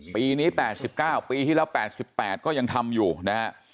ปีนี้๘๙ปีที่แล้ว๘๘ก็ยังทำอยู่นะฮะ